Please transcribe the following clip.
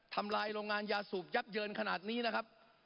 ทำลายโรงงานยาสูบยับเยินขนาดนี้นะครับ